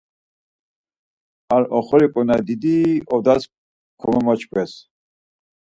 Ar oxori ǩonari didi odas kamomoçkves.